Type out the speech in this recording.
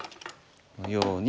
このように。